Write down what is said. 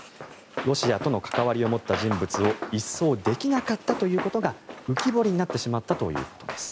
ロシアとの関わりを持った人物を一掃できなかったということが浮き彫りになってしまったということです。